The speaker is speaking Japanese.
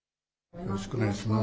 よろしくお願いします。